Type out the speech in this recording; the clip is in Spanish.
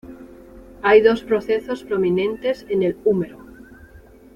Hay dos procesos prominentes en el húmero.